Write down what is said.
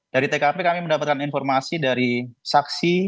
dari tkp kami mendapatkan informasi dari saksi